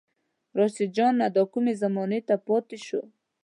رشيد جانه دا کومې زمانې ته پاتې شو